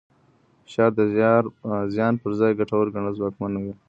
فشار د زیان پر ځای ګټور ګڼل ځواکمنوي.